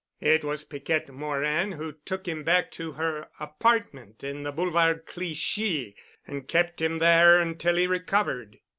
"It was Piquette Morin who took him back to her apartment in the Boulevard Clichy and kept him there until he recovered."